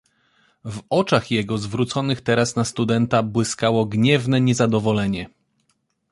"W oczach jego zwróconych teraz na studenta błyskało gniewne niezadowolenie."